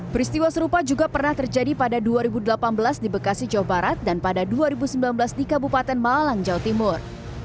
peristiwa serupa juga pernah terjadi pada dua ribu delapan belas di bekasi jawa barat dan pada dua ribu sembilan belas di kabupaten malang jawa timur